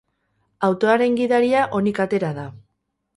Autoaren gidaria onik atera da.